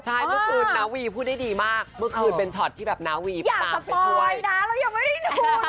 ครับใช่เมื่อคืนน้าวีพูดได้ดีมากเมื่อคืนเป็นช็อตที่แบบน้าวีพาไปช่วยอย่าสปอยนะเรายังไม่ได้ดูเราจะต้องย้อนหลัง